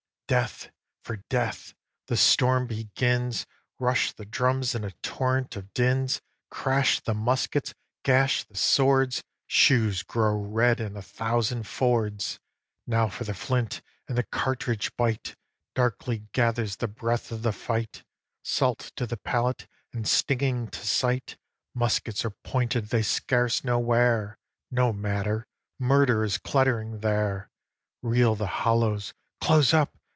Death for death! The storm begins; Rush the drums in a torrent of dins; Crash the muskets, gash the swords; Shoes grow red in a thousand fords; Now for the flint, and the cartridge bite; Darkly gathers the breath of the fight, Salt to the palate and stinging to sight; Muskets are pointed they scarce know where, No matter: Murder is cluttering there. Reel the hollows: close up!